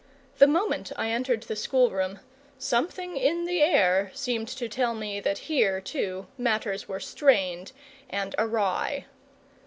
The moment I entered the schoolroom something in the air seemed to tell me that here, too, matters were strained and awry.